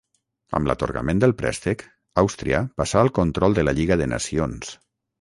Amb l'atorgament del préstec, Àustria passà al control de la Lliga de Nacions.